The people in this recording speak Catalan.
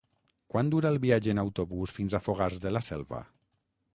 Quant dura el viatge en autobús fins a Fogars de la Selva?